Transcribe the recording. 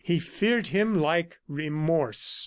He feared him like remorse.